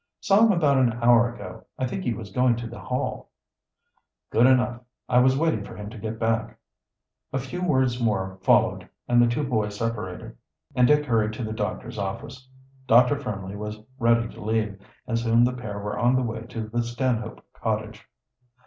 "Saw him about an hour ago. I think he was going to the Hall." "Good enough! I was waiting for him to get back." A few words more followed, and the two boys separated, and Dick hurried to the doctor's office. Dr. Fremley was ready to leave, and soon the pair were on the way to the Stanhope cottage.